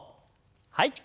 はい。